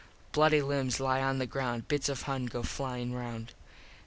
Bloody lims lie on the ground. Bits of Huns go flyin round.